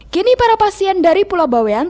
kini para pasien dari pulau bawean